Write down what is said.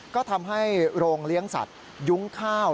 ก็ทำให้โรงเลี้ยงสัตว์ยุ้งข้าว